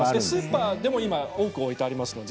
スーパーでも今多く置いてあります。